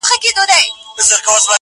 • شاعر باید درباري نه وي..